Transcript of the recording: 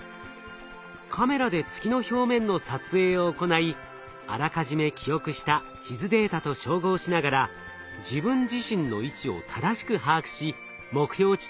カメラで月の表面の撮影を行いあらかじめ記憶した地図データと照合しながら自分自身の位置を正しく把握し目標地点へと移動します。